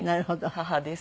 母です。